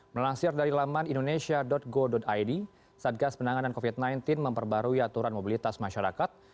melansir dari laman indonesia go id satgas penanganan covid sembilan belas memperbarui aturan mobilitas masyarakat